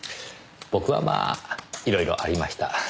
僕はまあいろいろありました。